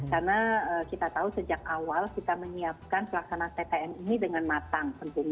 karena kita tahu sejak awal kita menyiapkan pelaksanaan ptm ini dengan matang